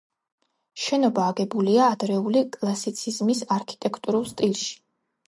შენობა აგებულია ადრეული კლასიციზმის არქიტექტურულ სტილში.